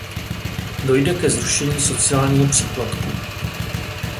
Dojde ke zrušení sociálního příplatku.